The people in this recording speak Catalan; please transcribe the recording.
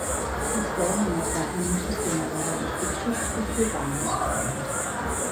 Es poden emetre amb un sistema de bons fixos o flotants.